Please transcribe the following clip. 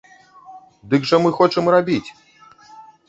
Дык жа мы хочам рабіць!